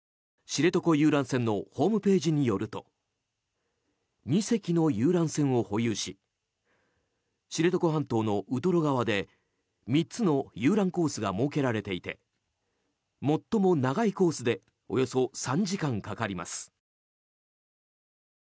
知床遊覧船のホームページによると２隻の遊覧船を保有し知床半島のウトロ側で３つの遊覧コースが設けられていて最も長いコースでおよそ３時間かかります。